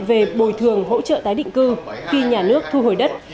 về bồi thường hỗ trợ tái định cư khi nhà nước thu hồi đất